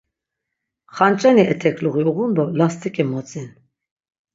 Xanç̆eni etekluği uğun do last̆ik̆i modzin.